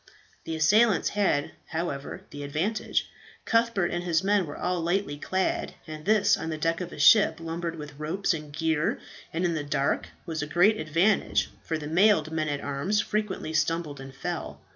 The assailants had, however, the advantage. Cuthbert and his men were all lightly clad, and this on the deck of a ship lumbered with ropes and gear, and in the dark, was a great advantage, for the mailed men at arms frequently stumbled and fell.